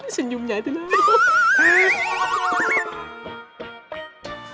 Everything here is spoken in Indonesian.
senyumnya itu lah